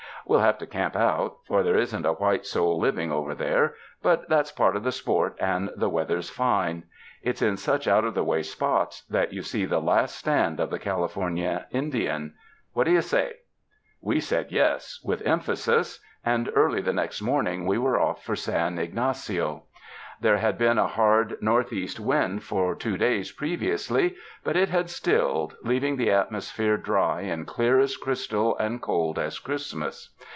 We'll have to camp out; for there isn't a white soul living over there, but that's part of the sport and the weather's fine. It's in such out of the way spots that you see the last stand of the California Indian. What do you say?" We said yes, with emphasis, and early the next 86 THE MOUNTAINS morning we were off for San Ygnacio. There had been a hard northeast wind for two days previously but it had stilled, leaving the atmosphere dry and clear as crystal and cold as Christmas.